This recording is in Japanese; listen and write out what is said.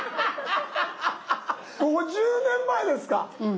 ５０年前ですか⁉うん。